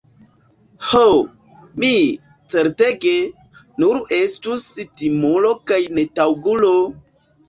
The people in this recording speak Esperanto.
Ho, mi, certege, nur estus timulo kaj netaŭgulo!